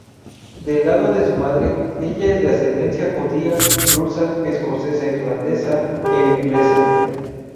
Del lado de su madre, ella es de ascendencia judía, rusa, escocesa-irlandesa e inglesa.